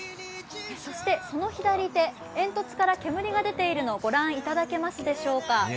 そして、その左手、煙突から煙が出ているのご覧いただけますでしょうか。